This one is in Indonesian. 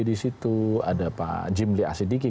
di situ ada pak jimli asidiki